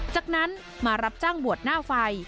จากนั้นมารับจ้างบวชหน้าไฟ